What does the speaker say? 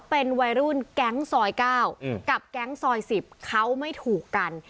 เป็นวัยรุ่นแก๊งซอย๙กับแก๊งซอย๑๐เขาไม่ถูกกัน